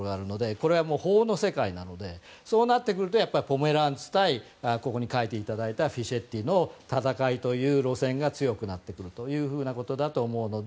これは法の世界なのでそうなるとポメランツ対フィシェッティの戦いという路線が強くなってくるというふうなことだと思うので。